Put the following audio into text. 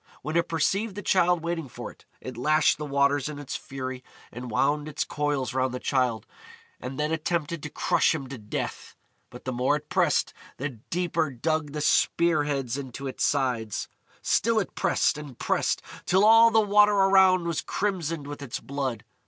When it perceived the Childe waiting for it, it lashed the waters in its fury and wound its coils round the Childe, and then attempted to crush him to death. But the more it pressed, the deeper dug the spear heads into its sides. Still it pressed and pressed, till all the water around was crimsoned with its blood.